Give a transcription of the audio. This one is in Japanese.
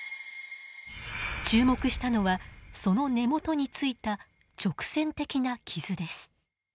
注目したのはその根元についた直線的な傷です。